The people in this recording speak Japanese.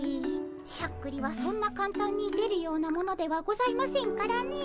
しゃっくりはそんなかんたんに出るようなものではございませんからねえ。